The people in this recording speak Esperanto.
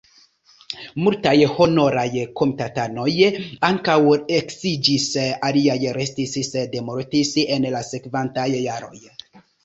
Multaj honoraj komitatanoj ankaŭ eksiĝis, aliaj restis, sed mortis en la sekvantaj jaroj.